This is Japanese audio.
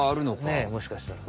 ねえもしかしたら。